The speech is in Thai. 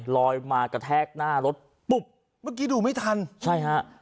ลอยมากระแทกหน้ารถปุ๊บเมื่อกี้ดูไม่ทันใช่ฮะ